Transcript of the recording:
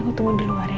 aku tunggu di luar ya